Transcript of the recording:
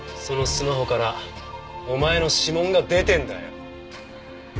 そのスマホからお前の指紋が出てるんだよ。